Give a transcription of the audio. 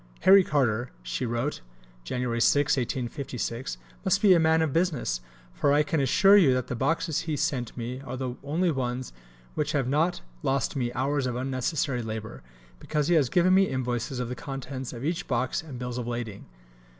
"Harry Carter," she wrote (Jan. 6, 1856), "must be a man of business; for I can assure you that the boxes he sent me are the only ones which have not lost me hours of unnecessary labour, because he has given me invoices of the contents of each box and bills of lading."